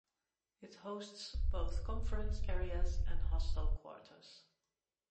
It hosts both conference areas and hostel quarters.